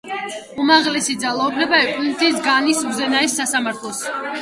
უმაღლესი ძალაუფლება ეკუთვნის განის უზენაეს სასამართლოს.